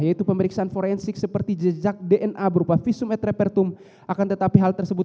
yaitu pemeriksaan forensik seperti jejak dna berupa visum et repertum akan tetapi hal tersebut